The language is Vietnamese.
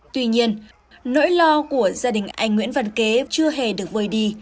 tuy nhiên nỗi lo của gia đình anh nguyễn văn kế chưa hề được vơi đi